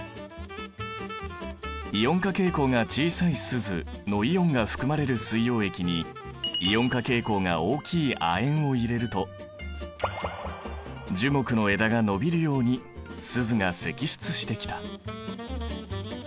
イオン化傾向が小さいスズのイオンが含まれる水溶液にイオン化傾向が大きい亜鉛を入れると樹木の枝が伸びるようにスズが析出してきた。